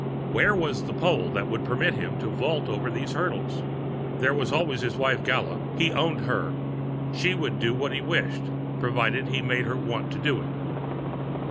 Where was the pole which would permit him to vault over these hurdles? There was always his wife, Gala. He owned her; she would do what he wished provided he made her want to do it.